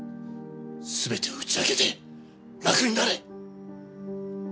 全てを打ち明けて楽になれ！